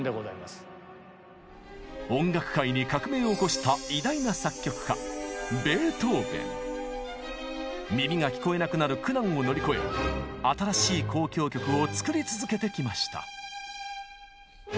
音楽界に革命を起こした偉大な作曲家耳が聞こえなくなる苦難を乗り越え新しい交響曲を作り続けてきました。